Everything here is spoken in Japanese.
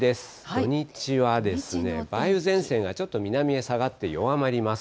土日は梅雨前線がちょっと南へ下がって弱まります。